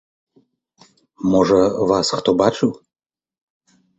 Можа, вас хто бачыў?